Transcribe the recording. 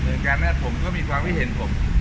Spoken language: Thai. เหลือการน่ะผมก็มีความวิเห็นผม